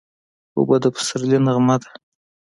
اوبه د پسرلي نغمه ده.